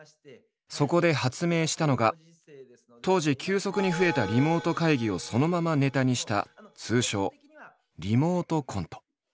そこで発明したのが当時急速に増えたリモート会議をそのままネタにした通称「リモートコント」。